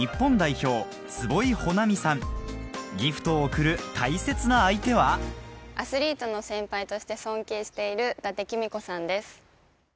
ギフトを贈る大切な相手はアスリートの先輩として尊敬している伊達公子さんです。